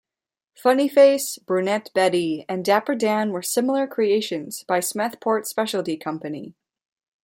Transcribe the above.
Funny Face, Brunette Betty, and Dapper Dan were similar creations by Smethport Specialty Company.